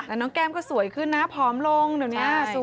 แต่น้องแก้มก็สวยขึ้นนะผอมลงเดี๋ยวนี้สวย